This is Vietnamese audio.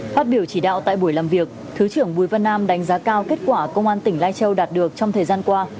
phát biểu chỉ đạo tại buổi làm việc thứ trưởng bùi văn nam đánh giá cao kết quả công an tỉnh lai châu đạt được trong thời gian qua